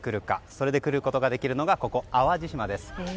それで来ることができるのが淡路島です。